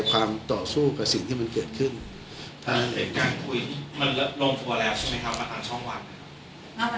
ความต่อสู้กับสิ่งที่มันเกิดขึ้นถ้าเห็นการคุยมันลงตัวแล้วใช่ไหมครับ